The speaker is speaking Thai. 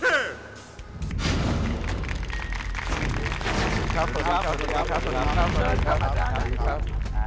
สวัสดีครับสวัสดีครับครับสวัสดีครับสวัสดีครับสวัสดีครับ